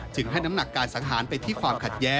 จึงให้น้ำหนักการสงหารไปที่ขวานศรี่